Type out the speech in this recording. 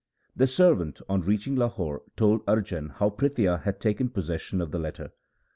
The servant on reaching Lahore told Arjan how Prithia had taken possession of the letter.